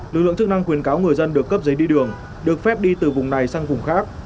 lực lượng chức năng khuyến cáo người dân được cấp giấy đi đường được phép đi từ vùng này sang vùng khác